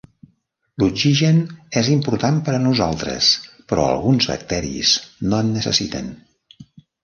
L'oxigen és important per a nosaltres, però alguns bacteris no en necessiten.